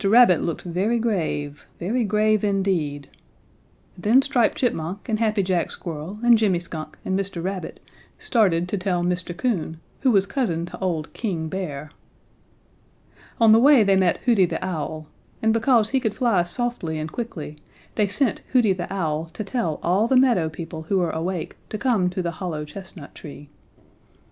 Rabbit looked very grave, very grave indeed. Then Striped Chipmunk and Happy Jack Squirrel and Jimmy Skunk and Mr. Rabbit started to tell Mr. Coon, who was cousin to old King Bear. "On the way they met Hooty the Owl, and because he could fly softly and quickly, they sent Hooty the Owl to tell all the meadow people who were awake to come to the hollow chestnut tree.